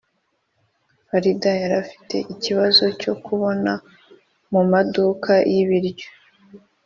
Farida yari afite ikibazo cyo kubona mu maduka y ibiryo